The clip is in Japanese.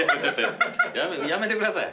やめてください。